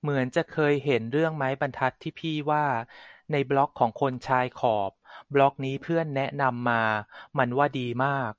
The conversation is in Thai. เหมือนจะเคยเห็นเรื่องไม้บรรทัดที่พี่ว่า ในบล็อกของคนชายขอบ บล็อกนี้เพื่อนแนะนำมา มันว่าดีมาก